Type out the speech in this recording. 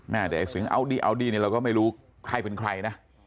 เดี๋ยวไอ้เสียงเอาดีเราก็ไม่รู้ใครเป็นใครนะ